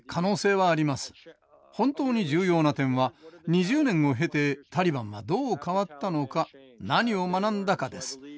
本当に重要な点は２０年を経てタリバンがどう変わったのか何を学んだかです。